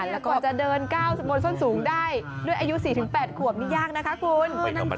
แล้วกว่าจะเดินก้าวบนส้นสูงได้ด้วยอายุ๔๘ขวบนี่ยากนะคะคุณ